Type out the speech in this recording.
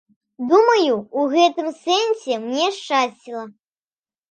Думаю, у гэтым сэнсе мне шчасціла.